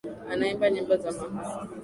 Anaimba nyimbo za mahaba